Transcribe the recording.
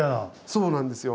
そうなんですよ